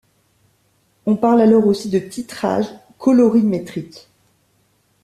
On parle alors aussi de titrage colorimétrique.